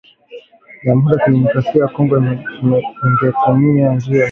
Jamhuri ya kidemokrasia ya Kongo ingetumia njia hiyo